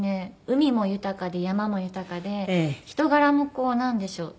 海も豊かで山も豊かで人柄もこうなんでしょう？